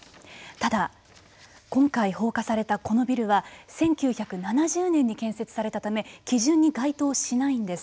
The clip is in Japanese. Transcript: ただ、今回放火されたこのビルは１９７０年に建設されたため基準に該当しないんです。